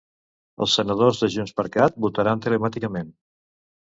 Els senadors de JxCat votaran telemàticament.